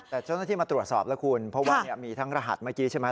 แต่เจ้าหน้าที่มาตรวจสอบแล้วคุณเพราะว่ามีทั้งรหัสเมื่อกี้ใช่ไหม